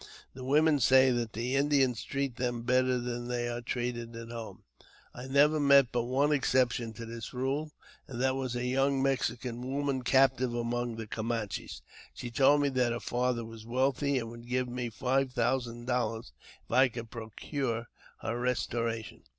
The women say that the Indians treat them better than they are treated at home. I never met but one exception to this rule, and that was a young Mexican woman captive among the Camanches. She told me that her father was wealthy, and would give me five thousand dollars if I could procure her restoration.